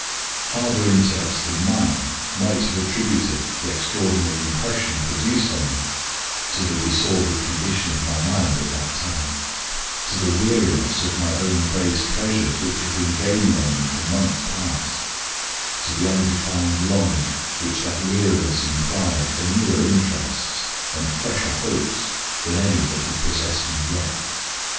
"Harder intellects than mine might have attributed the extraordinary impression produced on me to the disordered condition of my mind at that time; to the weariness of my own base pleasures which had been gaining on me for months past, to the undefined longing which that weariness implied for newer interests and fresher hopes than any that had possessed me yet.